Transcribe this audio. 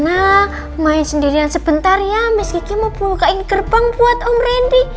apaiaah trevor biar